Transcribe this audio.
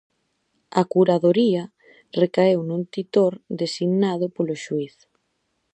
A curadoría recaeu nun titor designado polo xuíz.